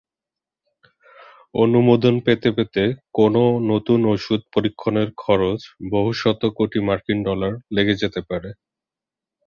অনুমোদন পেতে পেতে কোনও নতুন ঔষধ পরীক্ষণের খরচ বহু শত কোটি মার্কিন ডলার লেগে যেতে পারে।